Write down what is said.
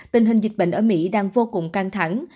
tình hình dịch bệnh ở mỹ đang vô cùng căng thẳng